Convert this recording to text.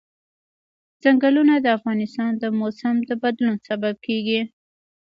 چنګلونه د افغانستان د موسم د بدلون سبب کېږي.